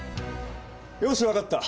よし分かった！